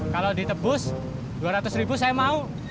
kalau ditebus dua ratus ribu saya mau